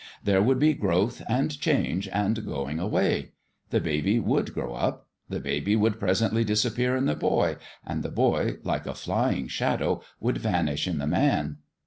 There would be growth and change and going away. The baby would grow up : the baby would presently disappear in the boy, and the boy, like a flying shadow, would vanish in the man.